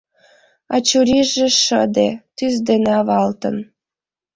А чурийже шыде тӱс дене авалтын...